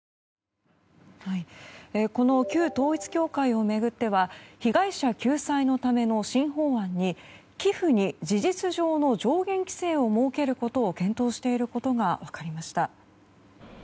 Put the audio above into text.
この旧統一教会を巡っては被害者救済のための新法案に寄付に事実上の上限規制を設けることを検討していることが分かりました。